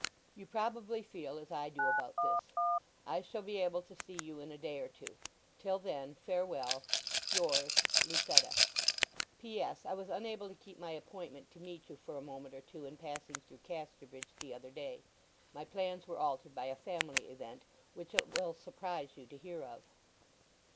You probably feel as I do about this. I shall be able to see you in a day or two. Till then, farewell.—Yours, LUCETTA. P.S.—I was unable to keep my appointment to meet you for a moment or two in passing through Casterbridge the other day. My plans were altered by a family event, which it will surprise you to hear of.